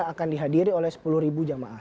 akan dihadiri oleh sepuluh jamaah